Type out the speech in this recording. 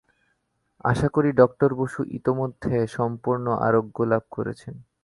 আশা করি, ডক্টর বসু ইতোমধ্যে সম্পূর্ণ আরোগ্য লাভ করেছেন।